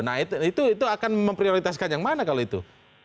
nah itu akan memprioritaskan yang mana kalau itu